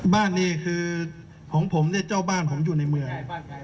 บ้านนี้คือของผมเนี่ยเจ้าบ้านผมอยู่ในเมือง